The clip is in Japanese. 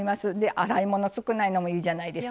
洗い物が少ないのもいいじゃないですか。